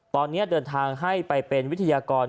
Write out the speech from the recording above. ตอนนี้เดินทางให้ไปเป็นวิทยากร